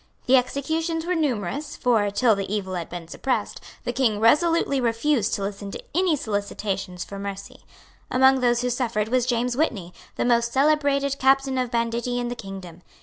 The executions were numerous for, till the evil had been suppressed, the King resolutely refused to listen to any solicitations for mercy. Among those who suffered was James Whitney, the most celebrated captain of banditti in the kingdom.